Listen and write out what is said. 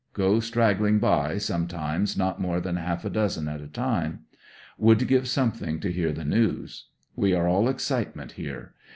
Go straggling by sometimes not more than half a dozen at a time. Would give something to hear the news. We are all excitement here.